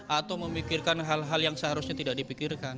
atau memikirkan hal hal yang seharusnya tidak dipikirkan